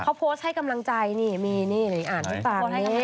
เขาโพสให้กำลังใจนี่อ่านที่ปากนี้